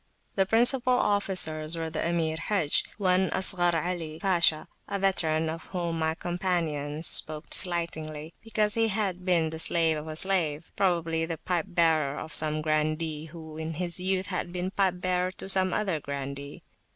The principal officers were the Emir Hajj, one Ashgar Ali Pasha, a veteran of whom my companions spoke slightingly, because he had been the slave of a slave, probably the pipe bearer of some grandee who in his youth had been pipe bearer to some other grandee.